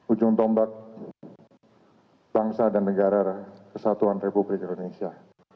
ujung tombak bangsa dan negara kesatuan republik indonesia